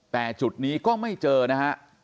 แต่จุดนี้ก็ไม่เจอนะฮะ